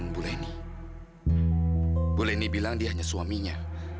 boleh dibilang dia hanya suaminya